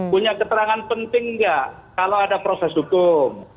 punya keterangan penting nggak kalau ada proses hukum